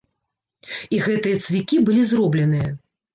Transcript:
І гэтыя цвікі былі зробленыя.